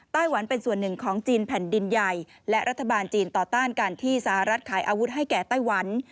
หวันเป็นส่วนหนึ่งของจีนแผ่นดินใหญ่และรัฐบาลจีนต่อต้านการที่สหรัฐขายอาวุธให้แก่ไต้หวัน